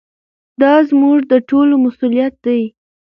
دا زموږ د ټولو مسؤلیت دی.